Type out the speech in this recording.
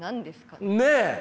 ねえ！